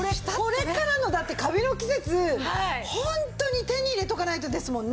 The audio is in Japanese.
これからのだってカビの季節ホントに手に入れとかないとですもんね。